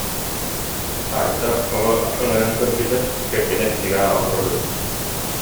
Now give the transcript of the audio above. Айта хоһу өҥөйөн көрбүтэ, кэргэнэ кинигэ ааҕа олорор эбит